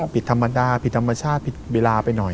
ผิดธรรมดาผิดธรรมชาติผิดเวลาไปหน่อย